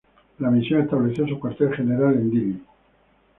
La misión estableció su cuartel general en Dili.